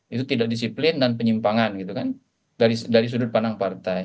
itu tidak disiplin dan penyimpangan gitu kan dari sudut pandang partai